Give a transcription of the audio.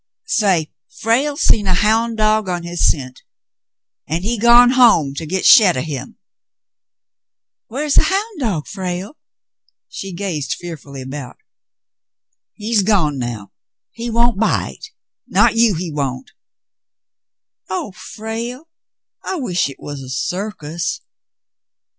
Say, * Frale seen a houn' dog on his scent, an' he's gone home to git shet of him.' " 142 The Mountain Girl " V^Tiere's the * houn' dog,' Frale ?" She gazed fearfully about. "He's gone now. He won't bite — not you, he won't." "Oh, Frale ! I wish it was a circus."